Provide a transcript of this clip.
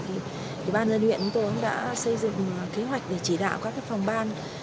thì ban dân huyện của tôi đã xây dựng kế hoạch để chỉ đạo các phòng ban